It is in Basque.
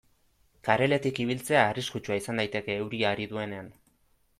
Kareletik ibiltzea arriskutsua izan daiteke euria ari duenean.